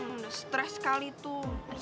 udah stress sekali tuh